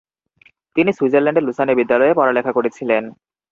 তিনি সুইজারল্যান্ডের লুসানে বিদ্যালয়ে পড়ালেখা করেছিলেন।